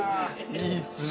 いいですね。